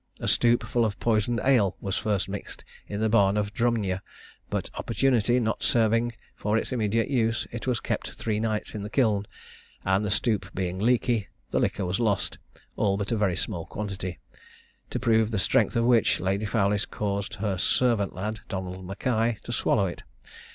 A stoup full of poisoned ale was first mixed in the barn of Drumnyer, but opportunity not serving for its immediate use, it was kept three nights in the kiln, and the stoup being leaky, the liquor was lost, all but a very small quantity; to prove the strength of which, Lady Fowlis caused her servant lad, Donald Mackay, to swallow it.